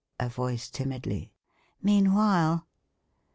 (_a voice timidly: 'Meanwhile?'